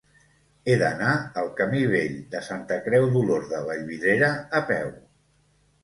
He d'anar al camí Vell de Santa Creu d'Olorda a Vallvidrera a peu.